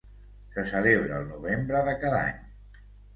Se celebra el novembre de cada any.